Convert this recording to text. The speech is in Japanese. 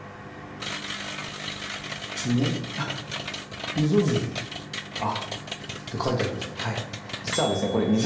地名？って書いてありますが。